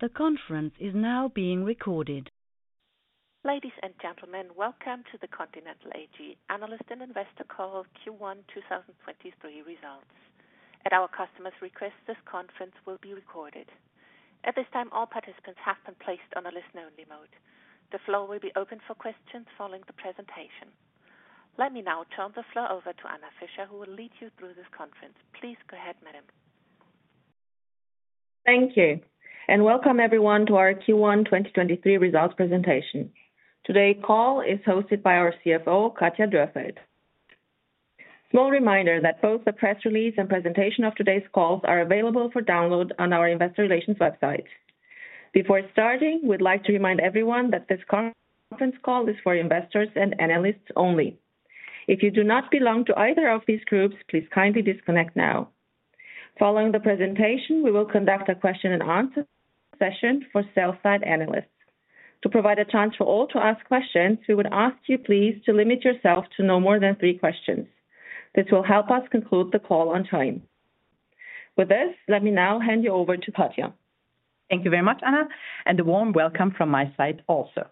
The conference is now being recorded. Ladies and gentlemen, welcome to the Continental AG Analyst and Investor Call Q1 2023 Results. At our customer's request, this conference will be recorded. At this time, all participants have been placed on a listen-only mode. The floor will be open for questions following the presentation. Let me now turn the floor over to Anna-Maria Fischer, who will lead you through this conference. Please go ahead, madam. Thank you. Welcome everyone to our Q1 2023 results presentation. Today's call is hosted by our CFO, Katja Dürrfeld. Small reminder that both the press release and presentation of today's calls are available for download on our investor relations website. Before starting, we'd like to remind everyone that this conference call is for investors and analysts only. If you do not belong to either of these groups, please kindly disconnect now. Following the presentation, we will conduct a question and answer session for sell-side analysts. To provide a chance for all to ask questions, we would ask you please to limit yourself to no more than three questions. This will help us conclude the call on time. With this, let me now hand you over to Katja. Thank you very much, Anna, and a warm welcome from my side also.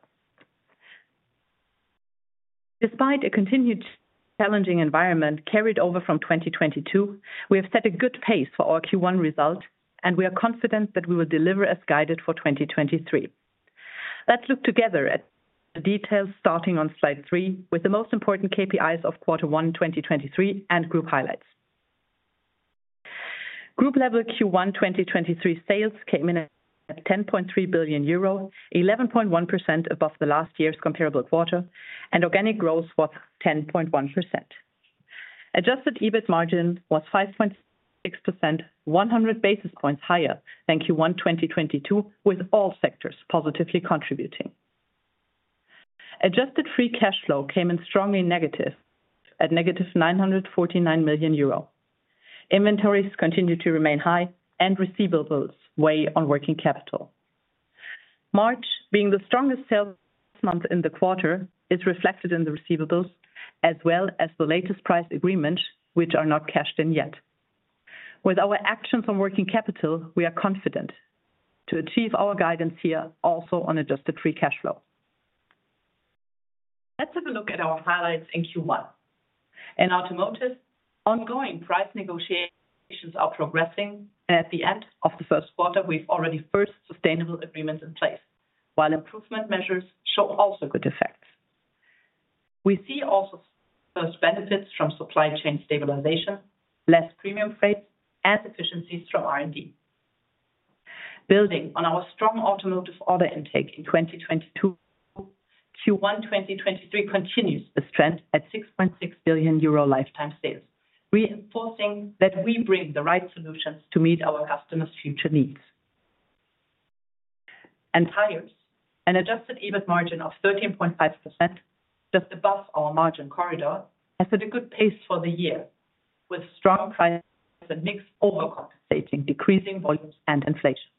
Despite a continued challenging environment carried over from 2022, we have set a good pace for our Q1 result, and we are confident that we will deliver as guided for 2023. Let's look together at the details starting on slide 3 with the most important KPIs of quarter 1, 2023 and Group highlights. Group level Q1 2023 sales came in at 10.3 billion euro, 11.1% above the last year's comparable quarter, and organic growth was 10.1%. Adjusted EBIT margin was 5.6%, 100 basis points higher than Q1 2022, with all sectors positively contributing. adjusted free cash flow came in strongly negative at negative 949 million euro. Inventories continue to remain high and receivables weigh on working capital. March, being the strongest sales month in the quarter, is reflected in the receivables, as well as the latest price agreement, which are not cashed in yet. With our actions on working capital, we are confident to achieve our guidance here also on adjusted free cash flow. Let's have a look at our highlights in Q1. In Automotive, ongoing price negotiations are progressing. At the end of the Q1, we've already first sustainable agreements in place, while improvement measures show also good effects. We see also first benefits from supply chain stabilization, less premium freight, and efficiencies through R&D. Building on our strong Automotive order intake in 2022, Q1 2023 continues the trend at 6.6 billion euro lifetime sales, reinforcing that we bring the right solutions to meet our customers' future needs. Tires, an Adjusted EBIT margin of 13.5%, just above our margin corridor, has set a good pace for the year, with strong price mix overcompensating decreasing volumes and inflation.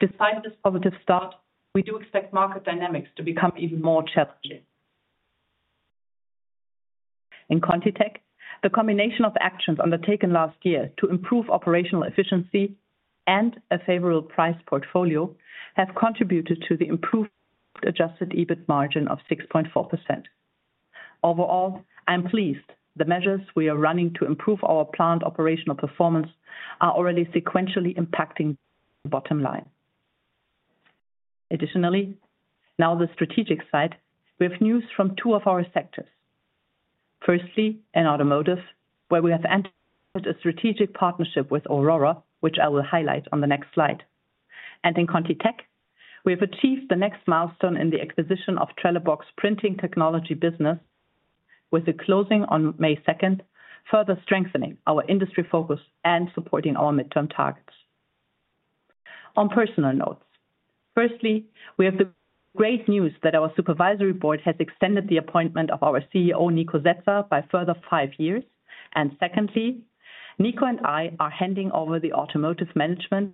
Despite this positive start, we do expect market dynamics to become even more challenging. In ContiTech, the combination of actions undertaken last year to improve operational efficiency and a favorable price portfolio have contributed to the improved Adjusted EBIT margin of 6.4%. Overall, I am pleased the measures we are running to improve our plant operational performance are already sequentially impacting the bottom line. Additionally, now the strategic side, we have news from two of our sectors. Firstly, in Automotive, where we have entered a strategic partnership with Aurora, which I will highlight on the next slide. In ContiTech, we have achieved the next milestone in the acquisition of Trelleborg's printing technology business with the closing on May second, further strengthening our industry focus and supporting our midterm targets. On personal notes, firstly, we have the great news that our supervisory board has extended the appointment of our CEO, Nikolai Setzer, by further five years. Secondly, Niko and I are handing over the Automotive management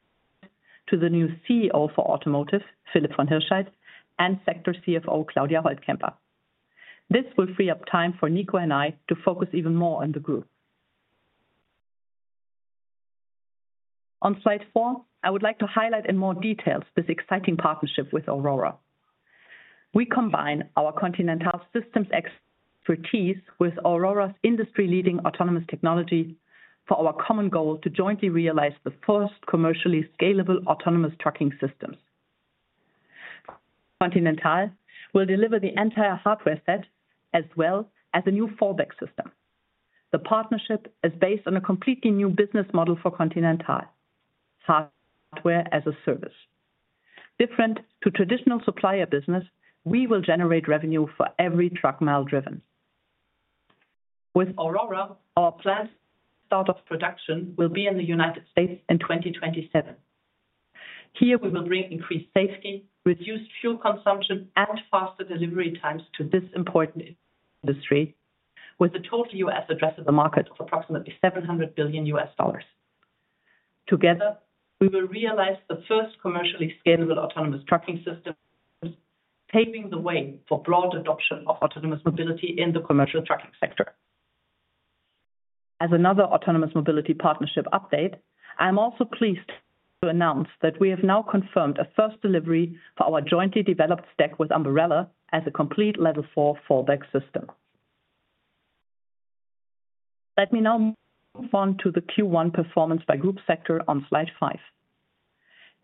to the new CEO for Automotive, Philipp von Hirschheydt, and Sector CFO, Claudia Holtkemper. This will free up time for Niko and I to focus even more on the Group. On slide four, I would like to highlight in more details this exciting partnership with Aurora. We combine our Continental systems expertise with Aurora's industry-leading autonomous technology for our common goal to jointly realize the first commercially scalable autonomous trucking systems. Continental will deliver the entire hardware set as well as a new fallback system. The partnership is based on a completely new business model for Continental, hardware-as-a-service. Different to traditional supplier business, we will generate revenue for every truck mile driven. With Aurora, our planned start of production will be in the U.S. in 2027. Here we will bring increased safety, reduced fuel consumption, and faster delivery times to this important industry with a total U.S. addressable market of approximately $700 billion. Together, we will realize the first commercially scalable autonomous trucking system, paving the way for broad adoption of autonomous mobility in the commercial trucking sector. As another autonomous mobility partnership update, I'm also pleased to announce that we have now confirmed a first delivery for our jointly developed stack with Aurora as a complete Level 4 fallback system. Let me now move on to the Q1 performance by group sector on slide five.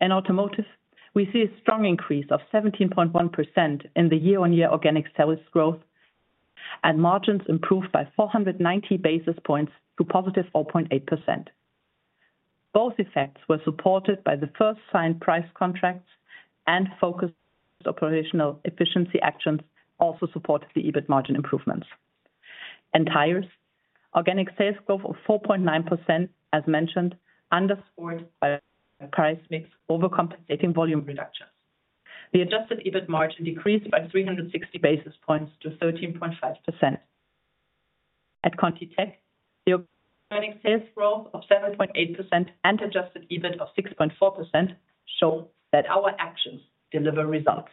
In Automotive, we see a strong increase of 17.1% in the year-on-year organic sales growth and margins improved by 490 basis points to positive 4.8%. Both effects were supported by the first signed price contracts and focused operational efficiency actions also supported the EBIT margin improvements. In Tires, organic sales growth of 4.9% as mentioned, underscored by price mix overcompensating volume reductions. The Adjusted EBIT margin decreased by 360 basis points to 13.5%. At ContiTech, the organic sales growth of 7.8% and Adjusted EBIT of 6.4% show that our actions deliver results.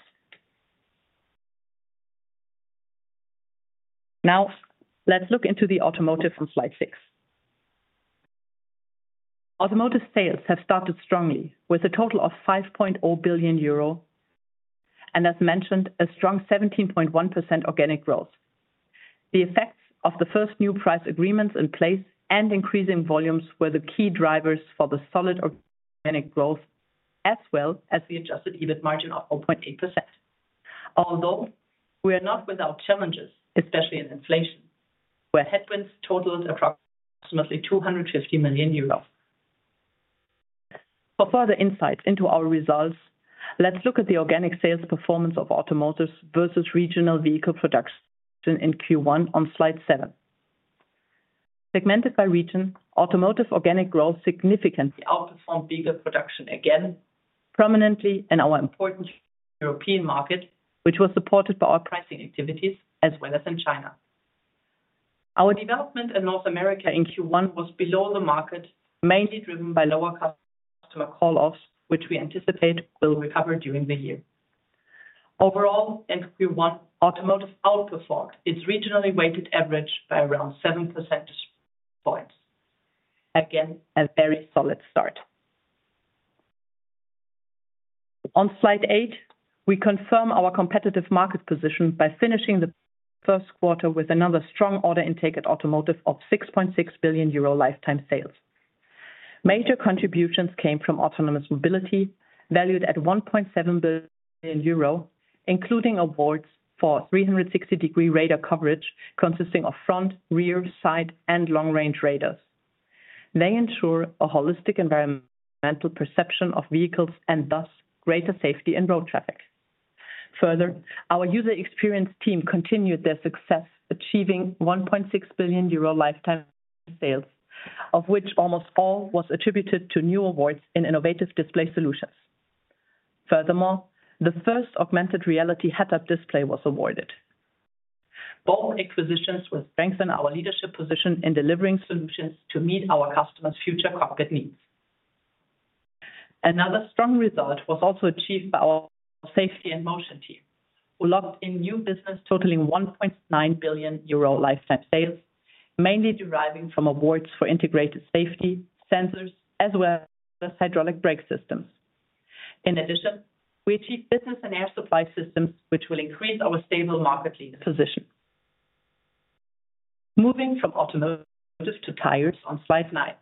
Let's look into the Automotive on slide six. Automotive sales have started strongly with a total of 5.0 billion euro and as mentioned, a strong 17.1% organic growth. The effects of the first new price agreements in place and increasing volumes were the key drivers for the solid organic growth as well as the Adjusted EBIT margin of 4.8%. We are not without challenges, especially in inflation, where headwinds totaled approximately 250 million euros. For further insight into our results, let's look at the organic sales performance of Automotive versus regional vehicle production in Q1 on slide seven. Segmented by region, Automotive organic growth significantly outperformed vehicle production again, prominently in our important European market, which was supported by our pricing activities as well as in China. Our development in North America in Q1 was below the market, mainly driven by lower customer call offs, which we anticipate will recover during the year. Overall, in Q1, Automotive outperformed its regionally weighted average by around seven percentage points. Again, a very solid start. On slide 8, we confirm our competitive market position by finishing the 1st quarter with another strong order intake at Automotive of 6.6 billion euro lifetime sales. Major contributions came from autonomous mobility valued at 1.7 billion euro, including awards for 360-degree radar coverage consisting of front, rear, side, and long-range radars. They ensure a holistic environmental perception of vehicles and thus greater safety in road traffic. Further, our user experience team continued their success achieving 1.6 billion euro lifetime sales, of which almost all was attributed to new awards in innovative display solutions. Furthermore, the first augmented reality head-up display was awarded. Both acquisitions will strengthen our leadership position in delivering solutions to meet our customers' future cockpit needs. Another strong result was also achieved by our safety and motion team, who locked in new business totaling 1.9 billion euro lifetime sales, mainly deriving from awards for integrated safety sensors as well as hydraulic brake systems. In addition, we achieved business and air supply systems, which will increase our stable market leader position. Moving from Automotive to Tires on slide nine.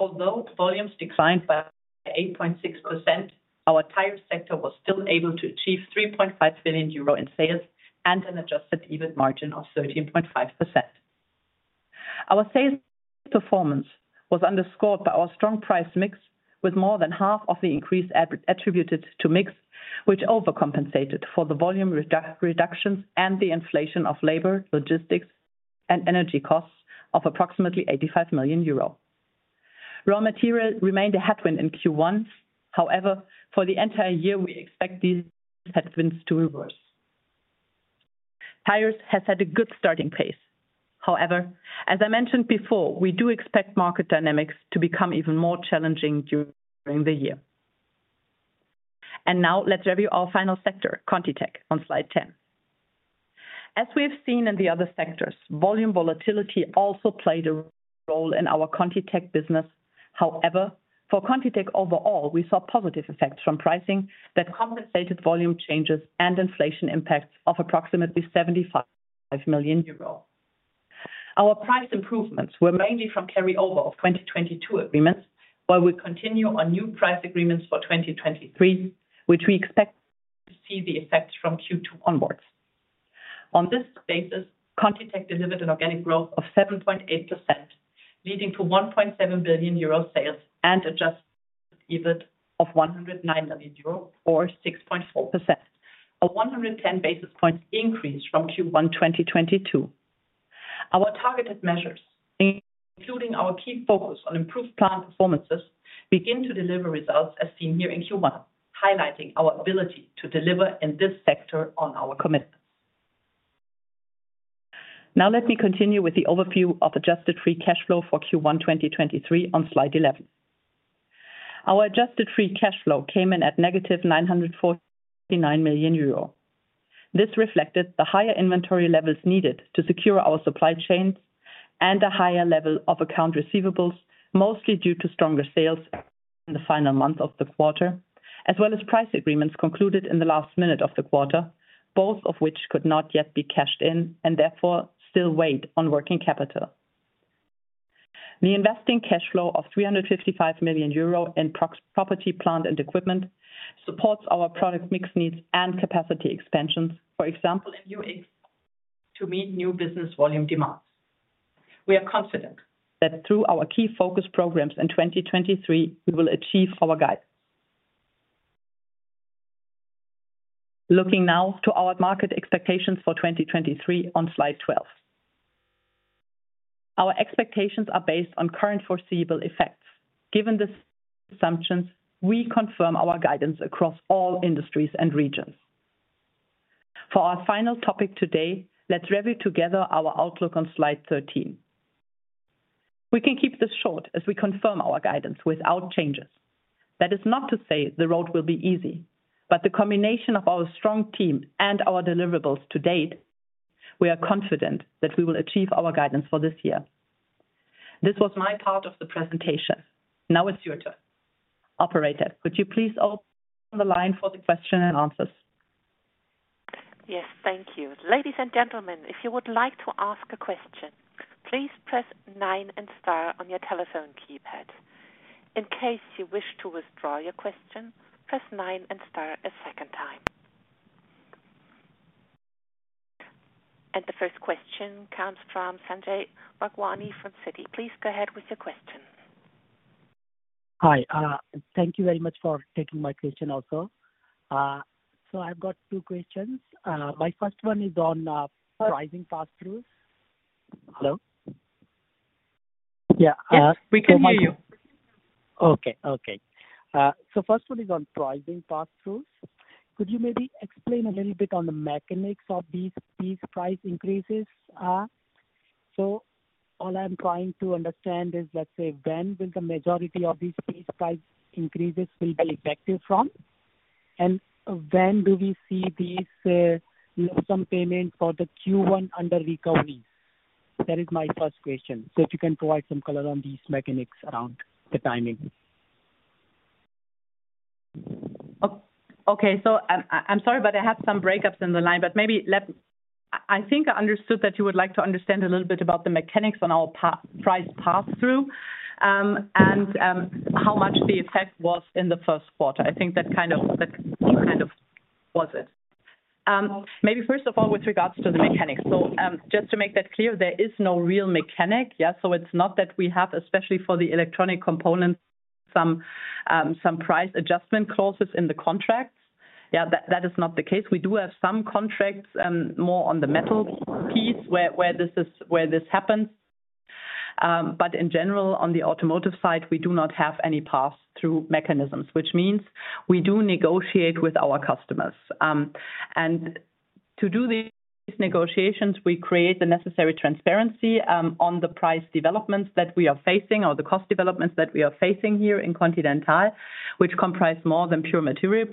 Although volumes declined by 8.6%, our Tires sector was still able to achieve 3.5 billion euro in sales and an Adjusted EBIT margin of 13.5%. Our sales performance was underscored by our strong price mix with more than half of the increase attributed to mix, which overcompensated for the volume reductions and the inflation of labor, logistics, and energy costs of approximately 85 million euro. Raw material remained a headwind in Q1. For the entire year, we expect these headwinds to reverse. Tires has had a good starting pace. As I mentioned before, we do expect market dynamics to become even more challenging during the year. Now let's review our final sector, ContiTech, on slide 10. As we have seen in the other sectors, volume volatility also played a role in our ContiTech business. For ContiTech overall, we saw positive effects from pricing that compensated volume changes and inflation impacts of approximately 75 million euros. Our price improvements were mainly from carryover of 2022 agreements, while we continue on new price agreements for 2023, which we expect to see the effects from Q2 onwards. On this basis, ContiTech delivered an organic growth of 7.8%, leading to 1.7 billion euro sales and Adjusted EBIT of 109 million euro or 6.4%. A 110 basis points increase from Q1 2022. Our targeted measures, including our key focus on improved plant performances, begin to deliver results as seen here in Q1, highlighting our ability to deliver in this sector on our commitment. Let me continue with the overview of adjusted free cash flow for Q1 2023 on slide 11. Our adjusted free cash flow came in at negative 949 million euro. This reflected the higher inventory levels needed to secure our supply chains and a higher level of account receivables, mostly due to stronger sales in the final month of the quarter, as well as price agreements concluded in the last minute of the quarter, both of which could not yet be cashed in and therefore still wait on working capital. The investing cash flow of 355 million euro property, plant, and equipment supports our product mix needs and capacity expansions. For example, in UX, to meet new business volume demands. We are confident that through our key focus programs in 2023, we will achieve our guidance. Looking now to our market expectations for 2023 on slide 12. Our expectations are based on current foreseeable effects. Given these assumptions, we confirm our guidance across all industries and regions. For our final topic today, let's review together our outlook on slide 13. We can keep this short as we confirm our guidance without changes. That is not to say the road will be easy, but the combination of our strong team and our deliverables to date, we are confident that we will achieve our guidance for this year. This was my part of the presentation. Now it's your turn. Operator, could you please open the line for the question and answers? Yes, thank you. Ladies and gentlemen, if you would like to ask a question, please press nine and star on your telephone keypad. In case you wish to withdraw your question, press nine and star a second time. The first question comes from Sanjay Bhagwani from Citi. Please go ahead with your question. Hi, thank you very much for taking my question also. I've got two questions. My first one is on, pricing pass-throughs. Hello? Yeah. Yes, we can hear you. Okay. Okay. First one is on pricing pass-throughs. Could you maybe explain a little bit on the mechanics of these price increases? All I'm trying to understand is, let's say, when will the majority of these price increases will be effective from, and when do we see these lump sum payments for the Q1 under-recoveries? That is my first question. If you can provide some color on these mechanics around the timing. Okay, I'm sorry, I have some breakups in the line, maybe I think I understood that you would like to understand a little bit about the mechanics on our price pass-through, and how much the effect was in the first quarter. I think that kind of was it. Maybe first of all, with regards to the mechanics. Just to make that clear, there is no real mechanic. It's not that we have, especially for the electronic components, some price adjustment clauses in the contracts. That is not the case. We do have some contracts, more on the metal piece where this happens. In general, on the Automotive side, we do not have any pass-through mechanisms, which means we do negotiate with our customers. To do these negotiations, we create the necessary transparency on the price developments that we are facing or the cost developments that we are facing here in Continental, which comprise more than pure material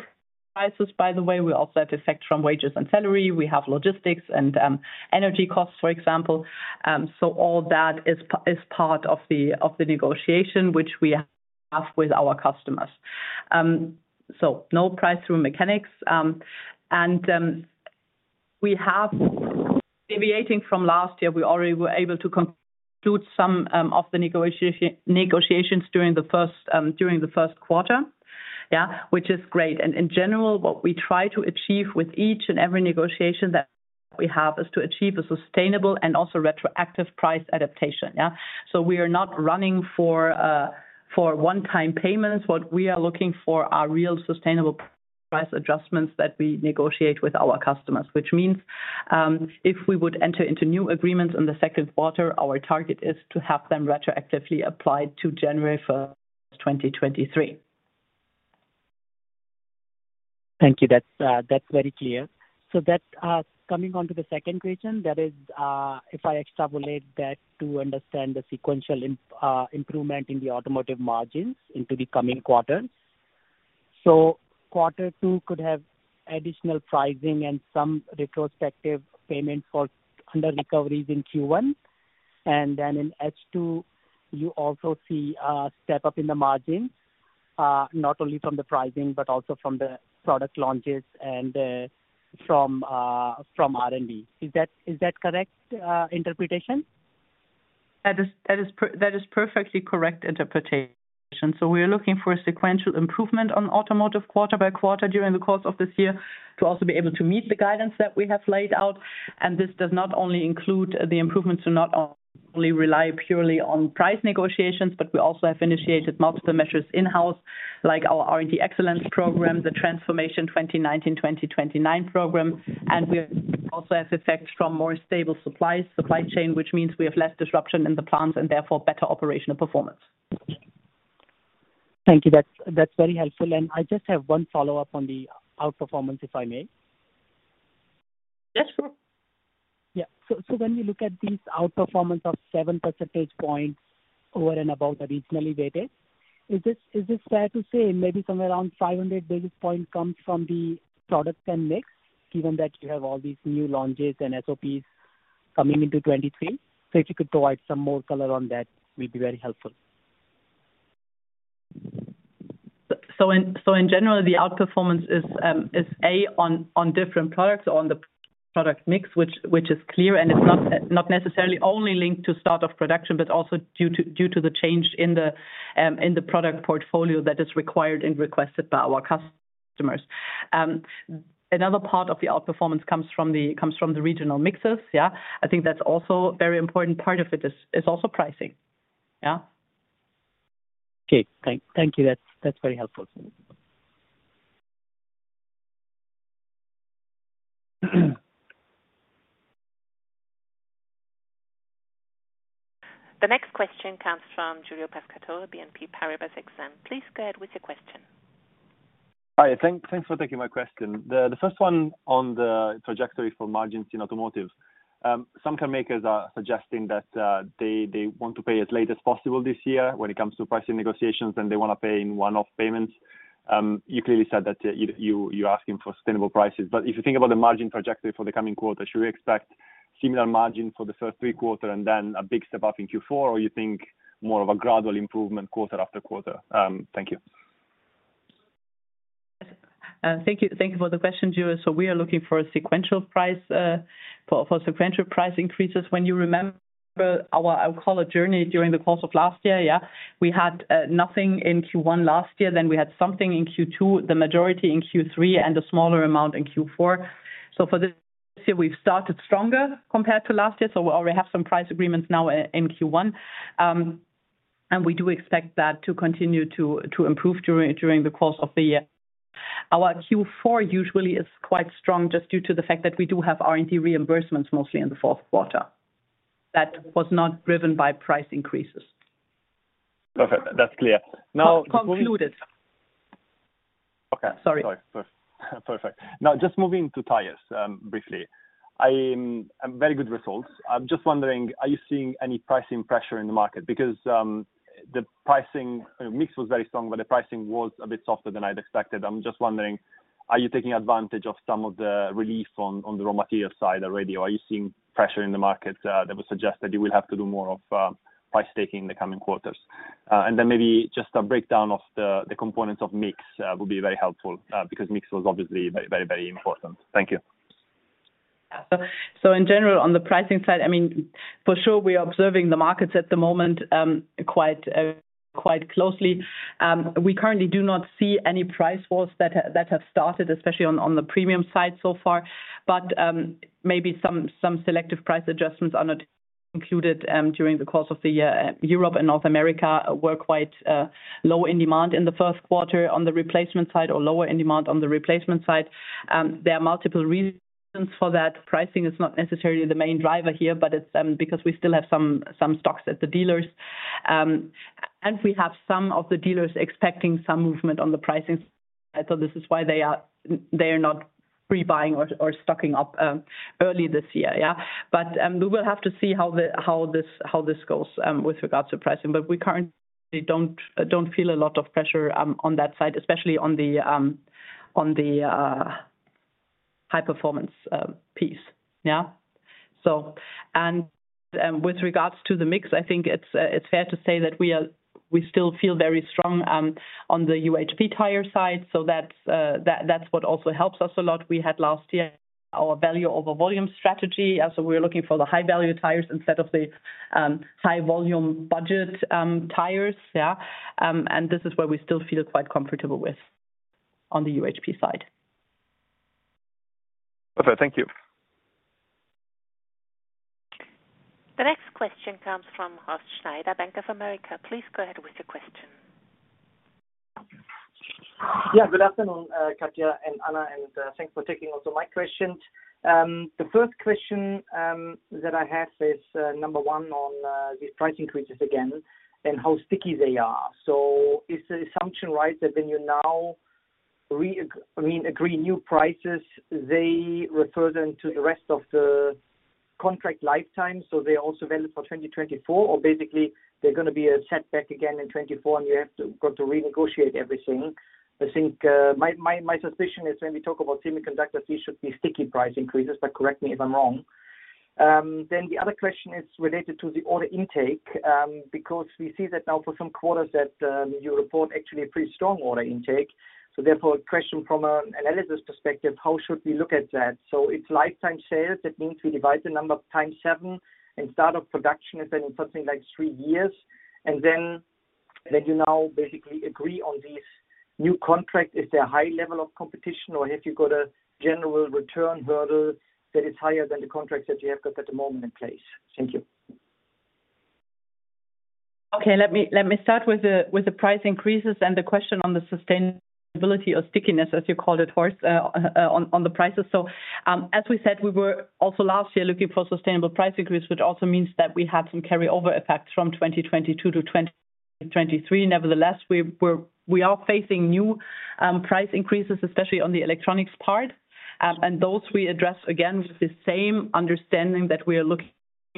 prices, by the way. We also have effect from wages and salary. We have logistics and energy costs, for example. All that is part of the negotiation which we have with our customers. No price through mechanics. We have, deviating from last year, we already were able to conclude some of the negotiations during the first quarter. Which is great. In general, what we try to achieve with each and every negotiation that we have is to achieve a sustainable and also retroactive price adaptation. We are not running for one-time payments. What we are looking for are real sustainable price adjustments that we negotiate with our customers, which means, if we would enter into new agreements in the second quarter, our target is to have them retroactively applied to January first, 2023. Thank you. That's, that's very clear. That, coming on to the second question, that is, if I extrapolate that to understand the sequential improvement in the Automotive margins into the coming quarters. Quarter 2 could have additional pricing and some retrospective payments for under-recoveries in Q1. Then in H2, you also see a step up in the margin, not only from the pricing, but also from the product launches and from R&D. Is that correct interpretation? That is perfectly correct interpretation. We are looking for a sequential improvement on Automotive quarter by quarter during the course of this year to also be able to meet the guidance that we have laid out. This does not only include the improvements to not only rely purely on price negotiations, but we also have initiated multiple measures in-house, like our R&D Excellence program, the Transformation 2019–2029 program. We also have effects from more stable supplies, supply chain, which means we have less disruption in the plants and therefore better operational performance. Thank you. That's very helpful. I just have one follow-up on the outperformance, if I may. Yes, sure. When we look at these outperformance of 7 percentage points over and above the regionally weighted, is this fair to say maybe somewhere around 500 basis points comes from the product and mix, given that you have all these new launches and SOPs coming into 2023? If you could provide some more color on that, will be very helpful. In general, the outperformance is A, on different products, on the product mix which is clear, and it's not necessarily only linked to start of production, but also due to the change in the product portfolio that is required and requested by our customers. Another part of the outperformance comes from the regional mixes. Yeah. I think that's also very important part of it is also pricing. Yeah. Okay. Thank you. That's very helpful. The next question comes from Giulio Pescatore, BNP Paribas Exane. Please go ahead with your question. Hi, thanks for taking my question. The first one on the trajectory for margins in Automotive. Some carmakers are suggesting that they want to pay as late as possible this year when it comes to pricing negotiations and they want to pay in one-off payments. You clearly said that you're asking for sustainable prices. If you think about the margin trajectory for the coming quarter, should we expect similar margins for the first 3 quarters and then a big step up in Q4, or you think more of a gradual improvement quarter after quarter? Thank you. Thank you. Thank you for the question, Giulio. We are looking for sequential price increases. When you remember our call journey during the course of last year, yeah, we had nothing in Q1 last year, then we had something in Q2, the majority in Q3, and a smaller amount in Q4. For this year, we've started stronger compared to last year, so we already have some price agreements now in Q1. We do expect that to continue to improve during the course of the year. Our Q4 usually is quite strong just due to the fact that we do have R&D reimbursements mostly in the fourth quarter. That was not driven by price increases. Perfect. That's clear. Now. Concluded. Okay. Sorry. Sorry. Perfect. Now, just moving to tires, briefly. I very good results. I'm just wondering, are you seeing any pricing pressure in the market? Because the pricing... Mix was very strong, but the pricing was a bit softer than I'd expected. I'm just wondering, are you taking advantage of some of the relief on the raw material side already? Are you seeing pressure in the market that would suggest that you will have to do more of price taking in the coming quarters? Maybe just a breakdown of the components of mix would be very helpful, because mix was obviously very, very, very important. Thank you. In general, on the pricing side, I mean, for sure we are observing the markets at the moment, quite closely. We currently do not see any price wars that have started, especially on the premium side so far. Maybe some selective price adjustments are not included during the course of the year. Europe and North America were quite low in demand in the first quarter on the replacement side, or lower in demand on the replacement side. There are multiple reasons for that. Pricing is not necessarily the main driver here, but it's because we still have some stocks at the dealers. We have some of the dealers expecting some movement on the pricing side, so this is why they are not rebuying or stocking up early this year. We will have to see how this goes with regards to pricing. We currently don't feel a lot of pressure on that side, especially on the high performance piece. With regards to the mix, I think it's fair to say that we still feel very strong on the UHP tire side. That's what also helps us a lot. We had last year our value over volume strategy. We're looking for the high value tires instead of the high volume budget tires. This is where we still feel quite comfortable with on the UHP side. Okay, thank you. The next question comes from Horst Schneider, Bank of America. Please go ahead with your question. Good afternoon, Katja and Anna, thanks for taking also my questions. The first question that I have is number one on these price increases again and how sticky they are. Is the assumption right that when you now agree new prices, they refer them to the rest of the contract lifetime, so they're also valid for 2024? Basically, they're gonna be a setback again in 2024 and you got to renegotiate everything? I think my suspicion is when we talk about semiconductors, these should be sticky price increases, but correct me if I'm wrong. The other question is related to the order intake, because we see that now for some quarters that you report actually a pretty strong order intake. Therefore, question from an analysis perspective, how should we look at that? It's lifetime sales, that means we divide the number times seven, and start of production has been something like three years. Then, that you now basically agree on these new contracts, is there a high level of competition, or have you got a general return hurdle that is higher than the contracts that you have got at the moment in place? Thank you. Okay. Let me start with the price increases and the question on the sustainability or stickiness as you called it, Horst, on the prices. As we said, we were also last year looking for sustainable price increase, which also means that we had some carry over effects from 2022 to 2023. Nevertheless, we are facing new price increases, especially on the electronics part. Those we address again with the same understanding that we are looking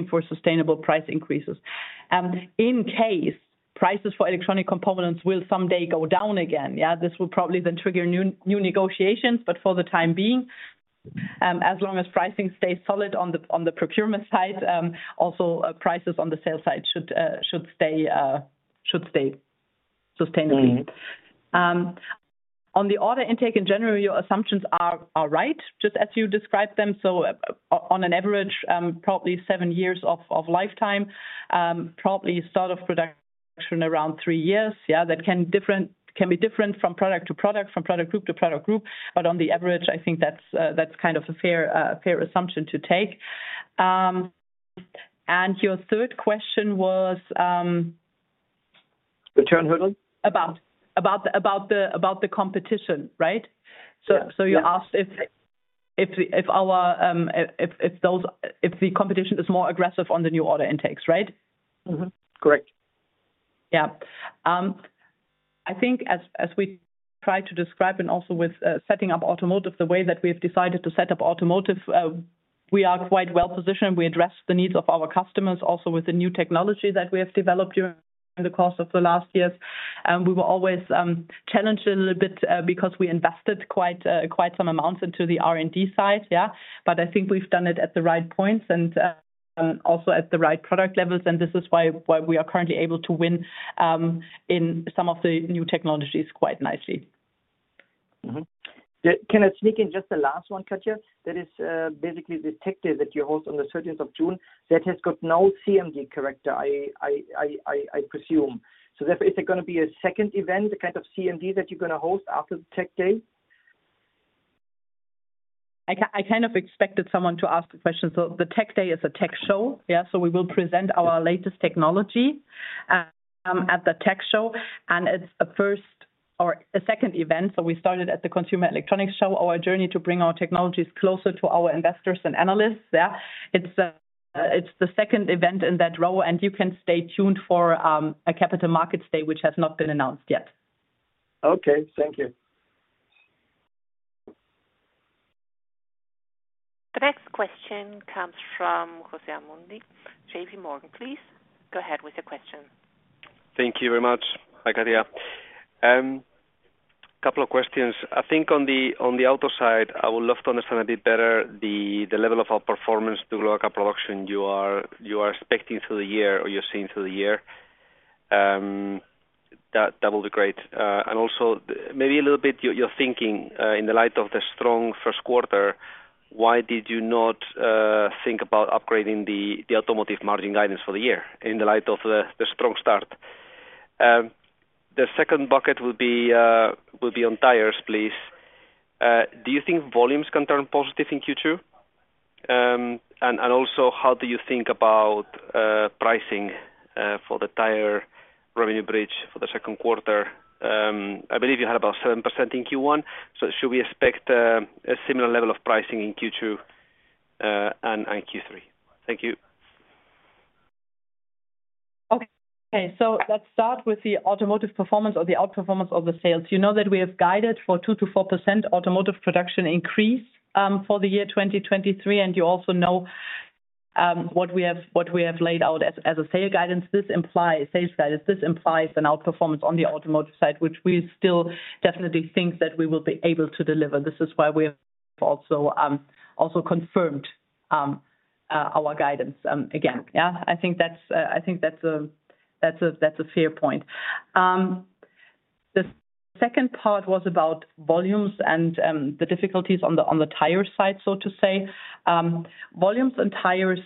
for sustainable price increases. In case prices for electronic components will someday go down again, this will probably then trigger new negotiations, but for the time being, as long as pricing stays solid on the procurement side, also prices on the sales side should stay sustainably. On the order intake in general, your assumptions are right, just as you described them. On an average, probably seven years of lifetime, probably start of production around three years, yeah. That can be different from product to product, from product group to product group. On the average, I think that's kind of a fair assumption to take. Your third question was. Return hurdle. About the competition, right? Yeah. You asked if our, if those, if the competition is more aggressive on the new order intakes, right? Correct. Yeah. I think as we try to describe and also with setting up Automotive the way that we have decided to set up Automotive, we are quite well-positioned. We address the needs of our customers also with the new technology that we have developed during the course of the last years. We were always challenged a little bit because we invested quite some amounts into the R&D side, yeah. I think we've done it at the right points and also at the right product levels, and this is why we are currently able to win in some of the new technologies quite nicely. Can I sneak in just the last one, Katja? That is, basically the tech day that you host on the 13th of June that has got no CMD character, I presume. Is there gonna be a second event, a kind of CMD that you're gonna host after the tech day? I kind of expected someone to ask the question. The Tech Day is a Tech Show. We will present our latest technology at the Tech Show, and it's a first or a second event. We started at the Consumer Electronics Show, our journey to bring our technologies closer to our investors and analysts. It's the second event in that row, and you can stay tuned for a Capital Markets Day, which has not been announced yet. Okay, thank you. The next question comes from José Asumendi, JPMorgan. Please go ahead with your question. Thank you very much. Hi, Katja. Couple of questions. I think on the Automotive side, I would love to understand a bit better the level of our performance to global car production you are expecting through the year or you're seeing through the year. That would be great. Also maybe a little bit your thinking in the light of the strong first quarter, why did you not think about upgrading the Automotive margin guidance for the year in the light of the strong start? The second bucket would be, will be on tires, please. Do you think volumes can turn positive in Q2? Also, how do you think about pricing for the tire revenue bridge for the second quarter? I believe you had about 7% in Q1, should we expect a similar level of pricing in Q2 and Q3? Thank you. Okay. Let's start with the Automotive performance or the outperformance of the sales. You know that we have guided for 2%-4% Automotive production increase for the year 2023, you also know what we have laid out as a sales guidance. This implies, sales guidance, this implies an outperformance on the Automotive side, which we still definitely think that we will be able to deliver. This is why we have also confirmed our guidance again, yeah. I think that's a fair point. The second part was about volumes and the difficulties on the tire side, so to say. Volumes and tires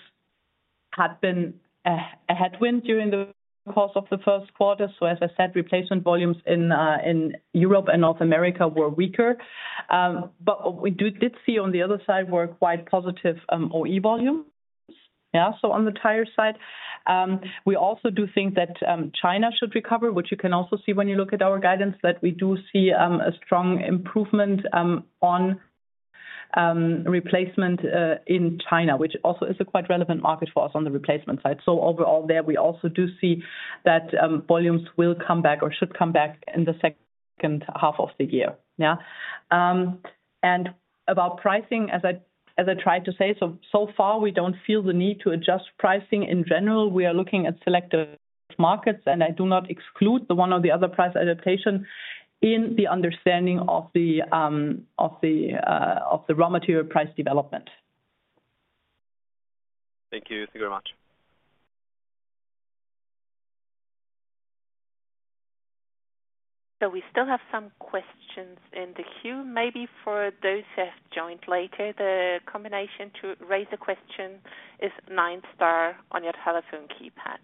had been a headwind during the course of the first quarter. As I said, replacement volumes in Europe and North America were weaker. We did see on the other side were quite positive OE volumes. Yeah, on the tire side. We also do think that China should recover, which you can also see when you look at our guidance, that we do see a strong improvement on replacement in China, which also is a quite relevant market for us on the replacement side. Overall there, we also do see that volumes will come back or should come back in the second half of the year. Yeah. About pricing, as I tried to say, so far, we don't feel the need to adjust pricing in general. We are looking at selective markets, I do not exclude the one or the other price adaptation in the understanding of the raw material price development. Thank you. Thank you very much. We still have some questions in the queue. Maybe for those who have joined later, the combination to raise a question is nine star on your telephone keypad.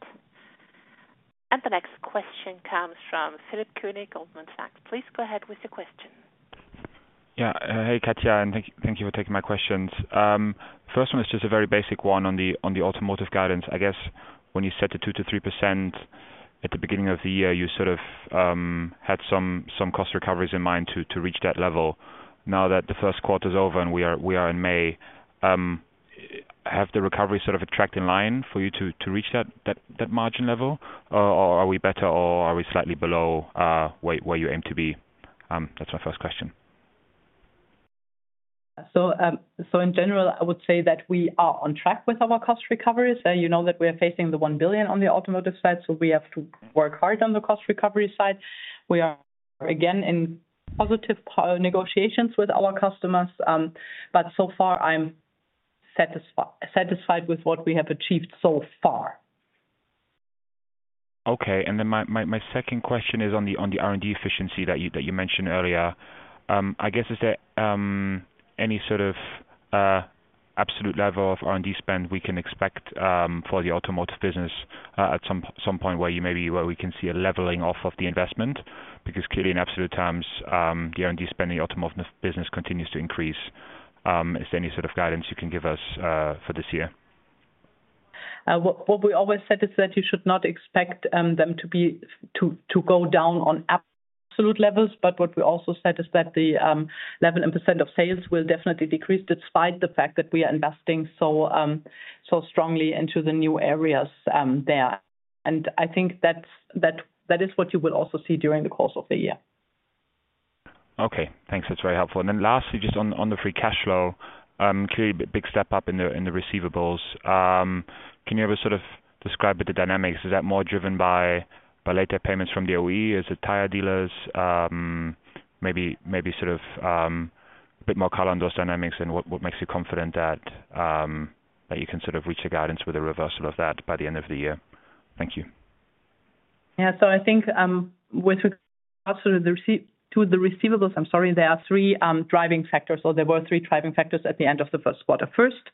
The next question comes from Philipp Koenig, Goldman Sachs. Please go ahead with your question. Hey, Katja, thank you for taking my questions. First one is just a very basic one on the Automotive guidance. I guess when you set the 2%-3% at the beginning of the year, you sort of had some cost recoveries in mind to reach that level. Now that the first quarter is over and we are in May, have the recovery sort of tracked in line for you to reach that margin level? Or are we better or are we slightly below where you aim to be? That's my first question. In general, I would say that we are on track with our cost recoveries. You know that we are facing 1 billion on the Automotive side, we have to work hard on the cost recovery side. We are, again, in positive negotiations with our customers, but so far I'm satisfied with what we have achieved so far. Okay. my second question is on the R&D efficiency that you mentioned earlier. I guess is there any sort of absolute level of R&D spend we can expect for the Automotive business at some point where we can see a leveling off of the investment? Clearly in absolute terms, the R&D spend in the Automotive business continues to increase. Is there any sort of guidance you can give us for this year? What we always said is that you should not expect them to go down on absolute levels, but what we also said is that the level and % of sales will definitely decrease despite the fact that we are investing so strongly into the new areas there. I think that is what you will also see during the course of the year. Okay, thanks. That's very helpful. Lastly, just on the free cash flow, clearly big step up in the, in the receivables. Can you ever sort of describe the dynamics? Is that more driven by later payments from the OE? Is it tire dealers? Maybe sort of a bit more color on those dynamics and what makes you confident that you can sort of reach a guidance with a reversal of that by the end of the year? Thank you. I think, with regards to the receivables, I'm sorry, there are three driving factors, or there were three driving factors at the end of the first quarter. First,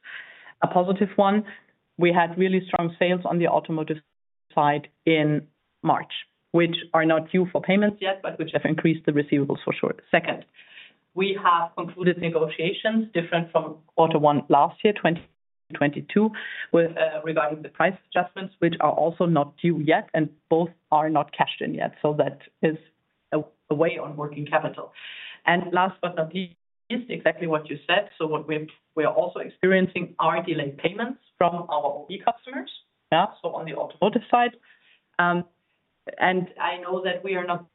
a positive one, we had really strong sales on the Automotive side in March, which are not due for payments yet, but which have increased the receivables for sure. Second, we have concluded negotiations different from quarter 1 last year, 2022, regarding the price adjustments, which are also not due yet, and both are not cashed in yet. That is a way on working capital. Last but not least, exactly what you said. What we're also experiencing are delayed payments from our OE customers, so on the Automotive side. I know that we are not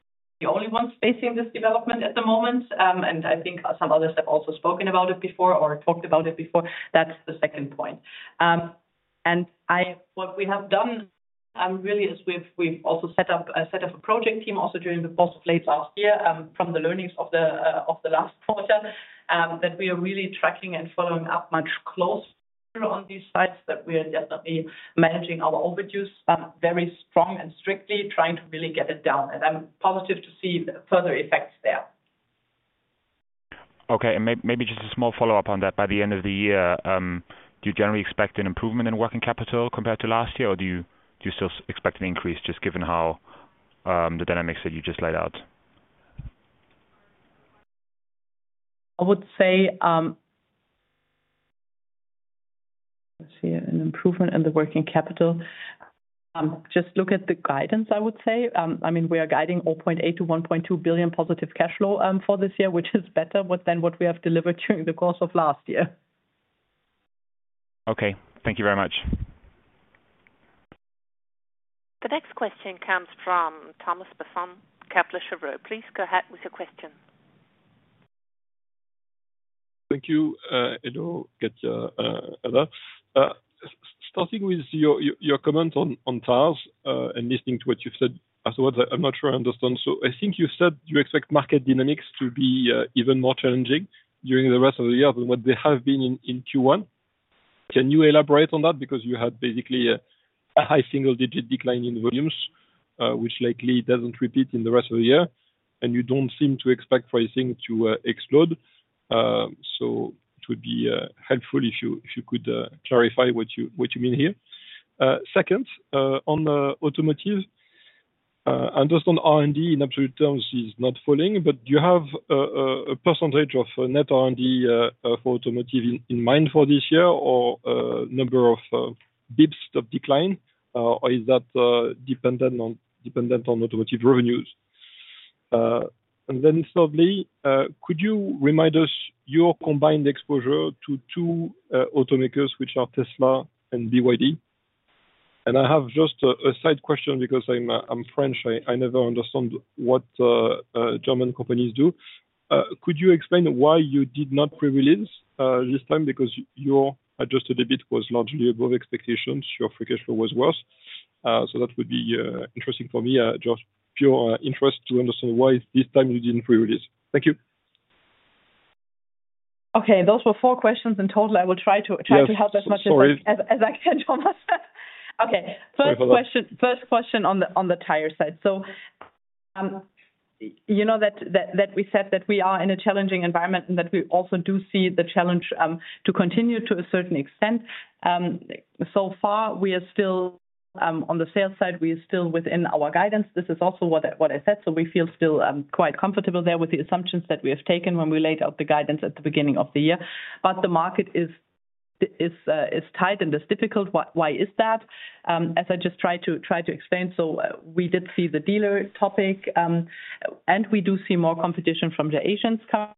the only ones facing this development at the moment, and I think some others have also spoken about it before or talked about it before. That's the second point. What we have done, really is we've also set up a project team also during the course of late last year, from the learnings of the last quarter, that we are really tracking and following up much closer on these sites, that we are definitely managing our overages, very strong and strictly trying to really get it down. I'm positive to see further effects there. Okay. Maybe just a small follow-up on that. By the end of the year, do you generally expect an improvement in working capital compared to last year, or do you still expect an increase just given how the dynamics that you just laid out? I would say, let's see an improvement in the working capital. Just look at the guidance, I would say. I mean, we are guiding 0.8 billion-1.2 billion positive cash flow for this year, which is better with than what we have delivered during the course of last year. Okay. Thank you very much. The next question comes from Thomas Besson, Kepler Cheuvreux. Please go ahead with your question. Thank you. Hello, Katja, Anna. Starting with your comment on tires, and listening to what you said afterwards, I'm not sure I understand. I think you said you expect market dynamics to be even more challenging during the rest of the year than what they have been in Q1. Can you elaborate on that? Because you had basically a high single-digit decline in volumes, which likely doesn't repeat in the rest of the year, and you don't seem to expect pricing to explode. It would be helpful if you, if you could clarify what you, what you mean here. Second, on the Automotive, I understand R&D in absolute terms is not falling, but do you have a percentage of net R&D for Automotive in mind for this year or a number of basis points of decline, or is that dependent on Automotive revenues? Thirdly, could you remind us your combined exposure to two automakers, which are Tesla and BYD? I have just a side question because I'm French, I never understand what German companies do. Could you explain why you did not pre-release this time because your Adjusted EBIT was largely above expectations, your free cash flow was worse. That would be interesting for me, just pure interest to understand why this time you didn't pre-release. Thank you. Okay. Those were four questions in total. I will try. Yes, sorry. Try to help as I can, Thomas. Okay. Sorry for that. First question on the tire side. You know that we said that we are in a challenging environment and that we also do see the challenge to continue to a certain extent. So far, we are still on the sales side, we are still within our guidance. This is also what I said. We feel still quite comfortable there with the assumptions that we have taken when we laid out the guidance at the beginning of the year. The market is tight and is difficult. Why is that? As I just tried to explain, we did see the dealer topic, and we do see more competition from the Asians coming back,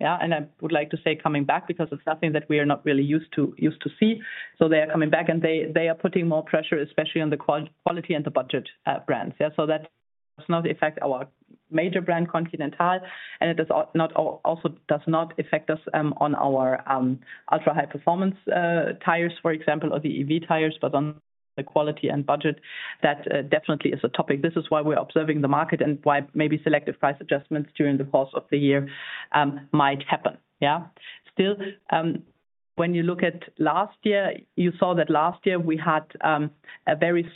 yeah. I would like to say coming back because it's something that we are not really used to see. They are coming back, and they are putting more pressure, especially on the quality and the budget brands, yeah. That does not affect our major brand, Continental, and it does not also affect us on our ultra-high performance tires, for example, or the EV tires. On the quality and budget, that definitely is a topic. This is why we're observing the market and why maybe selective price adjustments during the course of the year might happen, yeah. Still, when you look at last year, you saw that last year we had a very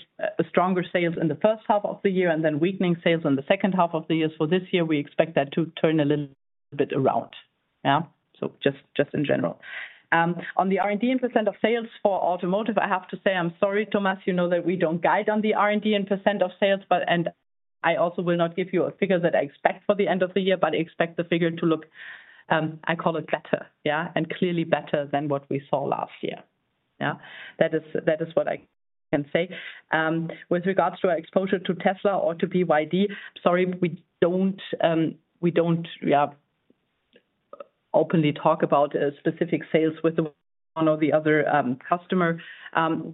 stronger sales in the first half of the year, and then weakening sales in the second half of the year. This year we expect that to turn a little bit around. Just in general. On the R&D and % of sales for Automotive, I have to say I'm sorry, Thomas, you know that we don't guide on the R&D and % of sales. I also will not give you a figure that I expect for the end of the year, but expect the figure to look, I call it better, and clearly better than what we saw last year. That is what I can say. With regards to our exposure to Tesla or to BYD, sorry, we don't openly talk about specific sales with one or the other customer.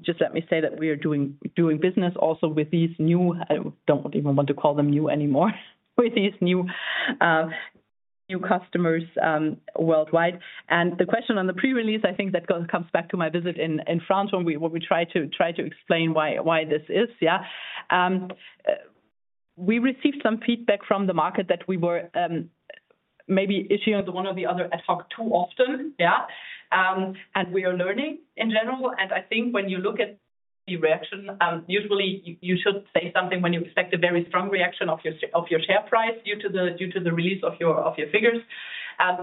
Just let me say that we are doing business also with these new, I don't even want to call them new anymore, with these new customers worldwide. The question on the pre-release, I think that comes back to my visit in France when we tried to explain why this is. We received some feedback from the market that we were maybe issuing the one or the other ad hoc too often. We are learning in general, and I think when you look at the reaction, usually you should say something when you expect a very strong reaction of your share price due to the release of your figures.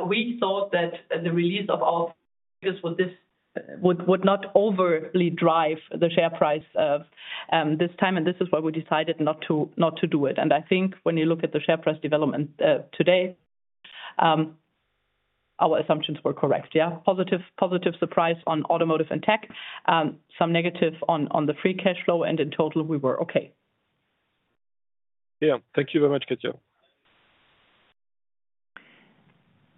We thought that the release of our figures would not overly drive the share price this time, and this is why we decided not to do it. I think when you look at the share price development today, our assumptions were correct, yeah. Positive surprise on Automotive and tech. Some negative on the free cash flow. In total we were okay. Yeah. Thank you very much, Katja.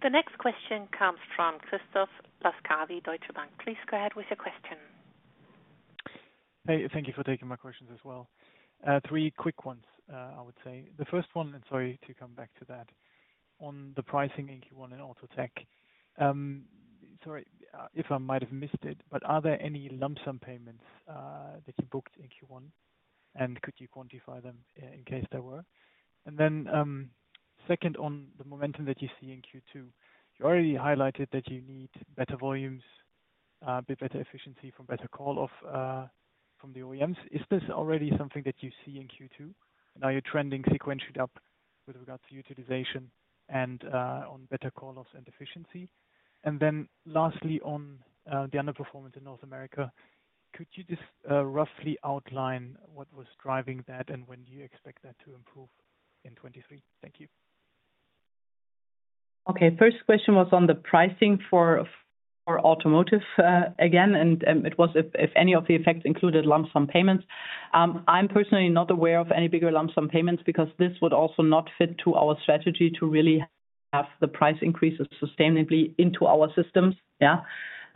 The next question comes from Christoph Laskawi, Deutsche Bank. Please go ahead with your question. Hey, thank you for taking my questions as well. Three quick ones, I would say. The first one, sorry to come back to that, on the pricing in Q1 and Automotive. Sorry, if I might have missed it, are there any lump sum payments that you booked in Q1? Could you quantify them in case there were? Second on the momentum that you see in Q2. You already highlighted that you need better volumes, a bit better efficiency from better call off from the OEMs. Is this already something that you see in Q2? Are you trending sequentially up with regards to utilization and on better call offs and efficiency? Lastly on the underperformance in North America, could you just roughly outline what was driving that and when do you expect that to improve in 2023? Thank you. Okay. First question was on the pricing for Automotive again. It was if any of the effects included lump sum payments. I'm personally not aware of any bigger lump sum payments because this would also not fit to our strategy to really have the price increases sustainably into our systems, yeah.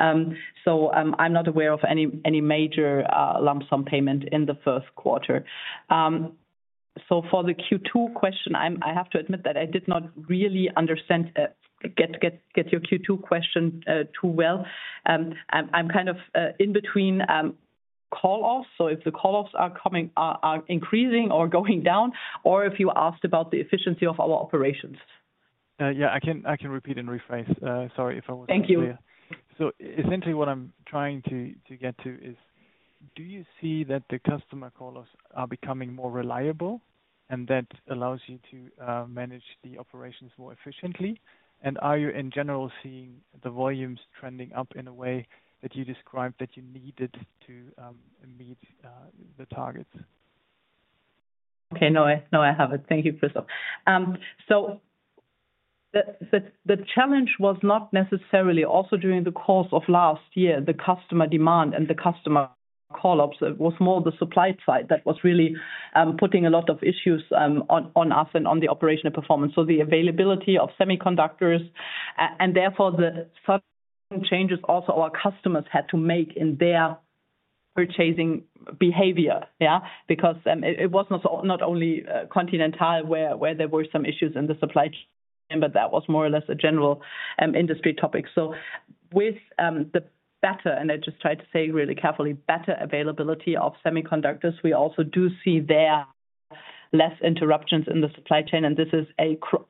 I'm not aware of any major lump sum payment in the Q1. For the Q2 question, I have to admit that I did not really understand, get your Q2 question too well. I'm kind of in between call offs. If the call offs are coming, are increasing or going down, or if you asked about the efficiency of our operations. Yeah, I can repeat and rephrase. Sorry if I wasn't clear. Thank you. Essentially what I'm trying to get to is do you see that the customer call offs are becoming more reliable, and that allows you to manage the operations more efficiently? Are you in general seeing the volumes trending up in a way that you described that you needed to meet the targets? Okay. No, I, now I have it. Thank you, Christoph. The challenge was not necessarily also during the course of last year, the customer demand and the customer call offs. It was more the supply side that was really putting a lot of issues on us and on the operational performance. The availability of semiconductors and therefore the subsequent changes also our customers had to make in their purchasing behavior, yeah. It was not only Continental where there were some issues in the supply chain, but that was more or less a general industry topic. With the better, and I just try to say really carefully, better availability of semiconductors, we also do see there less interruptions in the supply chain, and this is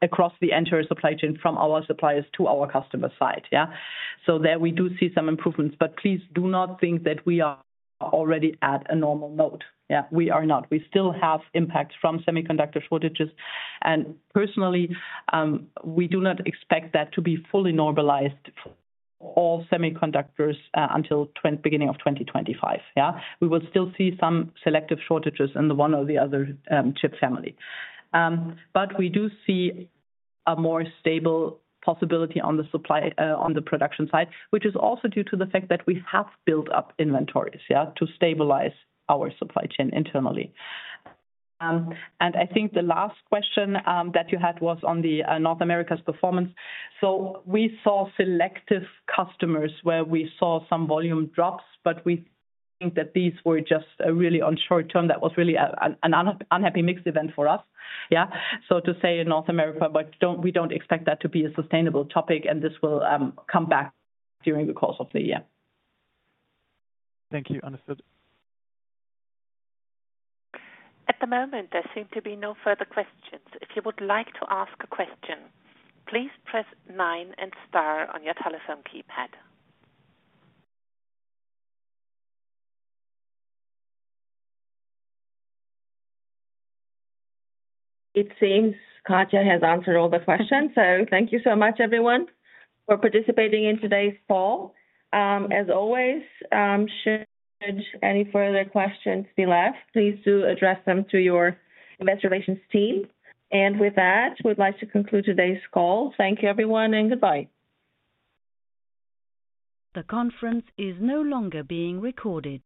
across the entire supply chain from our suppliers to our customer side. There we do see some improvements, but please do not think that we are already at a normal mode. We are not. We still have impacts from semiconductor shortages. Personally, we do not expect that to be fully normalized for all semiconductors until beginning of 2025. We will still see some selective shortages in the one or the other chip family. We do see a more stable possibility on the supply on the production side, which is also due to the fact that we have built up inventories, yeah, to stabilize our supply chain internally. I think the last question that you had was on the North America's performance. We saw selective customers where we saw some volume drops, but we think that these were just really on short term. That was really an unhappy mixed event for us, yeah. To say in North America, but we don't expect that to be a sustainable topic and this will come back during the course of the year. Thank you. Understood. At the moment, there seem to be no further questions. If you would like to ask a question, please press nine and star on your telephone keypad. It seems Katja has answered all the questions, so thank you so much everyone for participating in today's call. As always, should any further questions be left, please do address them to your investor relations team. With that, we'd like to conclude today's call. Thank you everyone and goodbye. The conference is no longer being recorded.